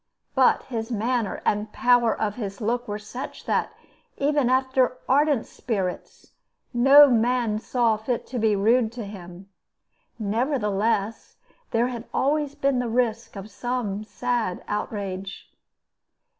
But his manner and the power of his look were such that, even after ardent spirits, no man saw fit to be rude to him. Nevertheless, there had always been the risk of some sad outrage.